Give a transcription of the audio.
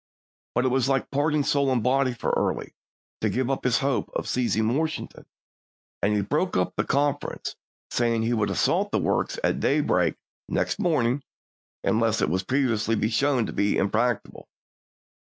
But it was like parting soul and body for Early to give up his hope of seizing Washington, and he broke up the confer ence, saying he would assault the works at day break next morning, unless it should previously be shown to be impracticable.